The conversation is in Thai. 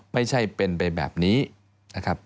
ไม่ใช่เป็นไปแบบนี้นะครับ